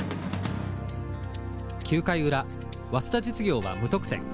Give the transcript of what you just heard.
９回裏早稲田実業は無得点。